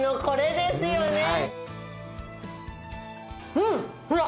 うん！ほら！